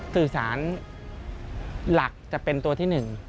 สื่อสารหลักจะเป็นตัวที่๑